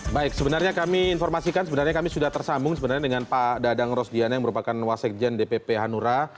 baik sebenarnya kami informasikan sebenarnya kami sudah tersambung sebenarnya dengan pak dadang rosdiana yang merupakan wasekjen dpp hanura